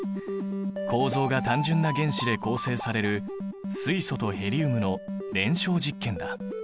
構造が単純な原子で構成される水素とヘリウムの燃焼実験だ。